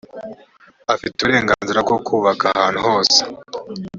afite uburenganzira bwo kubaka ahantu hose